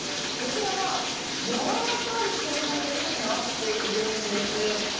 こちらは、やわらかい素材になっているんです。